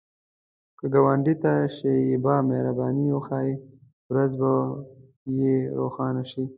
که ګاونډي ته شیبه مهرباني وښایې، ورځ به یې روښانه شي